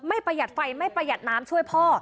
ประหยัดไฟไม่ประหยัดน้ำช่วยพ่อ